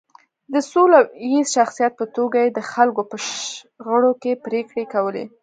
د سوله ییز شخصیت په توګه یې د خلکو په شخړو کې پرېکړې کولې.